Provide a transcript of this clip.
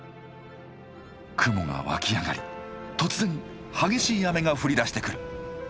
雲が湧き上がり突然激しい雨が降りだしてくる。